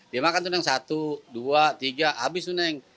dia makan tuh yang satu dua tiga habis tuh neng